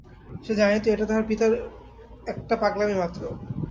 সে জানিত এটা তাহার পিতার একটা পাগলামিমাত্র।